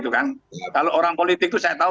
kalau orang politik itu saya tahu